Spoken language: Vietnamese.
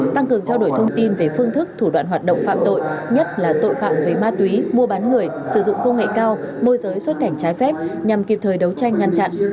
tăng cường trao đổi thông tin về phương thức thủ đoạn hoạt động phạm tội nhất là tội phạm về ma túy mua bán người sử dụng công nghệ cao môi giới xuất cảnh trái phép nhằm kịp thời đấu tranh ngăn chặn